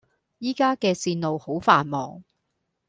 依家既線路好繁忙